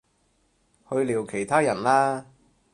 去聊其他人啦